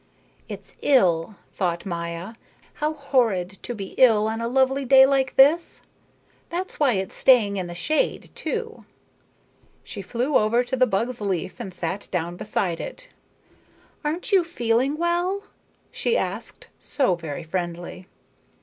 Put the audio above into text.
"It's ill," thought Maya. "How horrid to be ill on a lovely day like this. That's why it's staying in the shade, too." She flew over to the bug's leaf and sat down beside it. "Aren't you feeling well?" she asked, so very friendly.